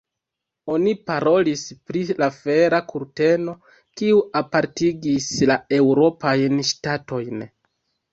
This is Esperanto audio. Oni parolis pri la fera kurteno, kiu apartigis la eŭropajn ŝtatojn.